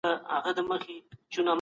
په ژوند کې سندرې ویل ذهني عمل ګڼل کېږي.